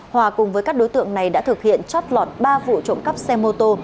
hòa cùng với các đối tượng này đã thực hiện chót lọt ba vụ trộm cắp xe mô tô